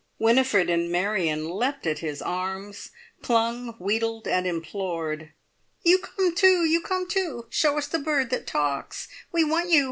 Winifred and Marion leapt at his arms, clung, wheedled, and implored. "You come too! You come too! Show us the bird that talks. We want you.